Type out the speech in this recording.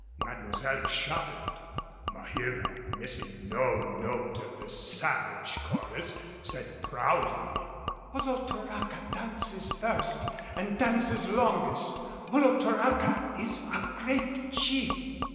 Mademoiselle shuddered; Maheera, missing no note of the savage chorus, said proudly, "Olotoraca dances first and dances longest. Olotoraca is a great chief!"